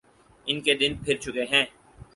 ان کے دن پھر چکے ہیں۔